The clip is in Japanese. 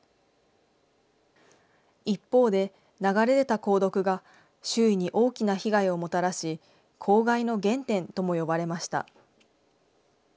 一方で、流れ出た鉱毒が周囲に大きな被害をもたらし、公害の原点とも呼ばれました。